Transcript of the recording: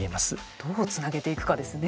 どうつなげていくかですね。